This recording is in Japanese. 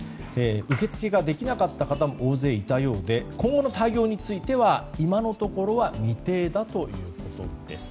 受け付けができなかった方も大勢、いたようで今後の対応については今のところは未定だということです。